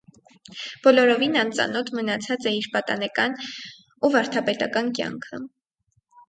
Բոլորովին անծանօթ մնացած է իր պատանեկան ու վարդապետական կեանքը։